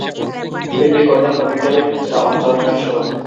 বিক্রি করতেন কম্পিউটারের খুচরা যন্ত্রাংশ।